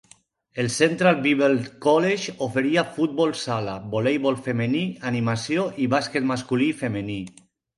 El Central Bible College oferia futbol sala, voleibol femení, animació i bàsquet masculí i femení.